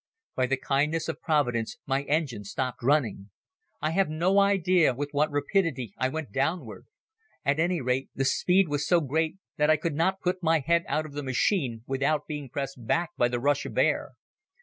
By the kindness of Providence my engine stopped running. I have no idea with what rapidity I went downward. At any rate the speed was so great that I could not put my head out of the machine without being pressed back by the rush of air.